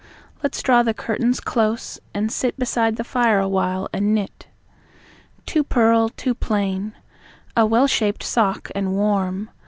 Let's draw the curtains close and sit Beside the fire awhile and knit. Two purl two plain. A well shaped sock, And warm.